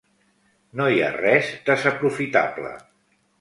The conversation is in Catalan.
No hi ha res desaprofitable.